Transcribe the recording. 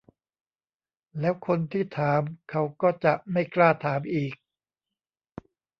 แล้วคนที่ถามเขาก็จะไม่กล้าถามอีก